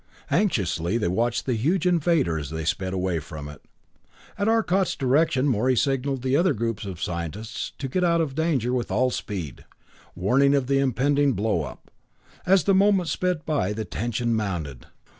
Anxiously they watched the huge invader as they sped away from it. At Arcot's direction Morey signaled the other groups of scientists to get out of danger with all speed, warning of the impending blow up. As the moments sped by the tension mounted.